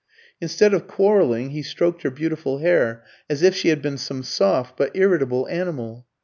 Instead of quarrelling, he stroked her beautiful hair as if she had been some soft but irritable animal.